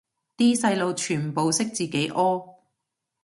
啲細路全部識自己屙